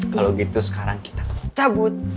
kalau gitu sekarang kita cabut